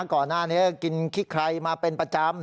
ก่อนหน้านี้กินขี้ไครมาเป็นประจำ